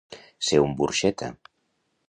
Ser un burxeta.